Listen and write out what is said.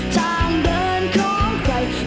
ทางเดินของใคร